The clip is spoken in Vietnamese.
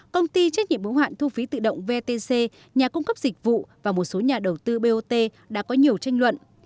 công ty trách nhiệm ủng hạn thu phí tự động vtc nhà cung cấp dịch vụ và một số nhà đầu tư bot đã có nhiều tranh luận